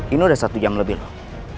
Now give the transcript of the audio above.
ini udah satu jam lebih loh